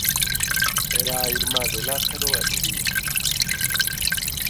Era a irmá de Lázaro e María.